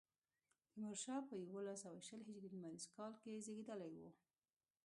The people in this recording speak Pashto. تیمورشاه په یوولس سوه شل هجري لمریز کال کې زېږېدلی و.